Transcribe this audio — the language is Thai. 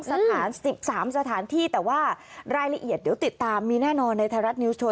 สถาน๑๓สถานที่แต่ว่ารายละเอียดเดี๋ยวติดตามมีแน่นอนในไทยรัฐนิวโชว